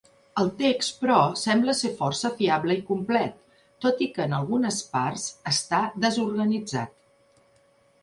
El text, però, sembla ser força fiable i complet, tot i que en algunes parts està desorganitzat.